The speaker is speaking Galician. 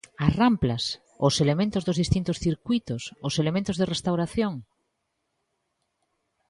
¿As ramplas, os elementos dos distintos circuítos, os elementos de restauración?